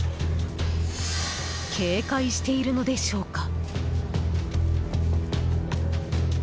警戒しているのでしょうか。